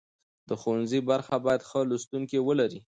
د ښوونځي برخه باید ښه لوستونکي ولري.